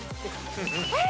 えっ！？